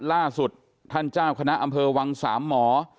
ล่าสุดท่านเจ้าคณะอำเภอวังสามหมอ